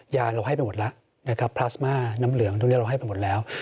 ยาเราให้ไปหมดแล้วนะครับพลาสมาน้ำเหลืองพวกนี้เราให้ไปหมดแล้ว